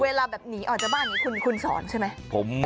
เวลาแบบหนีออกจากบ้านนี้คุณสอนใช่ไหม